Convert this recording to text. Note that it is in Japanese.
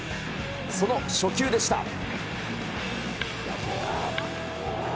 その初球でした。